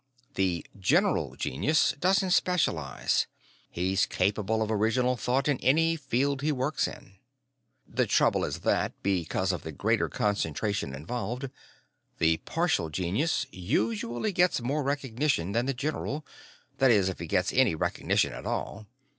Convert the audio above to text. The "general" genius doesn't specialize. He's capable of original thought in any field he works in. The trouble is that, because of the greater concentration involved, the partial genius usually gets more recognition than the general that is, if he gets any recognition at all.